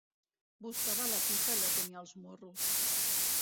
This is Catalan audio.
Buscava la pipa i la tenia als morros.